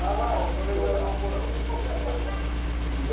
それぐらい濃厚なウニですねこれは。